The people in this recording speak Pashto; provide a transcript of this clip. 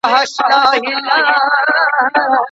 مسلمانان بايد د بيت المال سمه ساتنه وکړي.